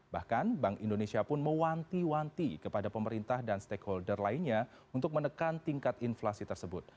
bahkan bank indonesia pun mewanti wanti kepada pemerintah dan stakeholder lainnya untuk menekan tingkat inflasi tersebut